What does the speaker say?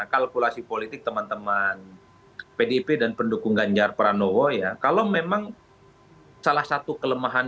kalkulasi politik teman teman pdp dan pendukung ganjar pranowo ya kalau memang salah satu kelemahan